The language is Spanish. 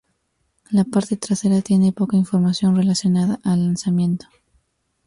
La parte trasera tiene poca información relacionada al lanzamiento.